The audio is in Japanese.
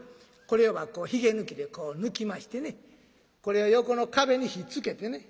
これはヒゲ抜きでこう抜きましてこれを横の壁にひっつけてね